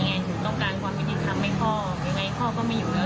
ถึงต้องการความวิธีทางให้พ่อยังไงพ่อก็ไม่อยู่แล้ว